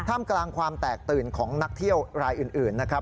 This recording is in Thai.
มกลางความแตกตื่นของนักเที่ยวรายอื่นนะครับ